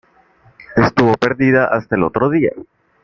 Estuvo perdida hasta el otro día.